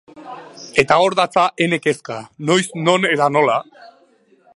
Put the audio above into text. Eta hor datza ene kezka: noiz, non eta nola?